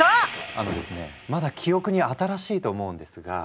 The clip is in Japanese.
あのですねまだ記憶に新しいと思うんですが。